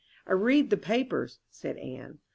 "I read the papers," said Anne.